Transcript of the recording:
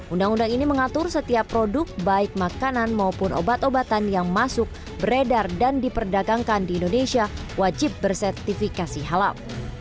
undang undang ini mengatur setiap produk baik makanan maupun obat obatan yang masuk beredar dan diperdagangkan di indonesia wajib bersertifikasi halal